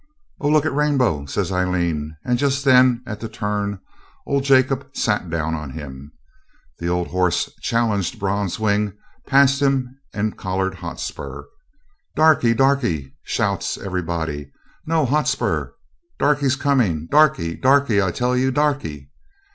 'Oh! look at Rainbow!' says Aileen. And just then, at the turn, old Jacob sat down on him. The old horse challenged Bronzewing, passed him, and collared Hotspur. 'Darkie! Darkie!' shouts everybody. 'No! Hotspur Darkie's coming Darkie Darkie! I tell yer Darkie.'